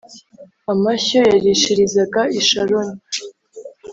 amashyo yarishirizaga i Sharoni